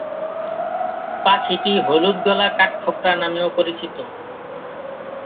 পাখিটি হলুদ-গলা কাঠঠোকরা নামেও পরিচিত।